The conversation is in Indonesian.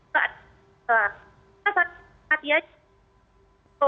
terus ada di tatip